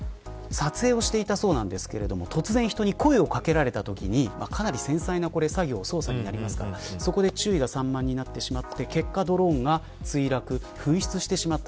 撮影をしていたそうですが突然、人に声を掛けられたときに繊細な操作になるのでそこで注意が散漫になり結果、ドローンが墜落紛失してしまった。